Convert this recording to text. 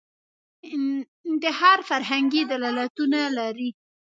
انتحار فرهنګي دلالتونه لري